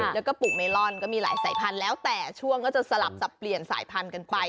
แล้วก็ปลูกเมลอนก็มีหลายสายพันธุ์แล้วแต่ช่วงก็จะสลับสับเปลี่ยนสายพันธุ์กันไป